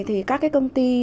thì các cái công ty